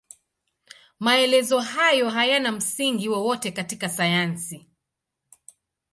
Maelezo hayo hayana msingi wowote katika sayansi.